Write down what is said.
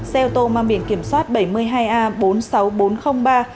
xe ô tô mang biển kiểm soát bảy mươi hai a bốn mươi sáu nghìn bốn trăm linh ba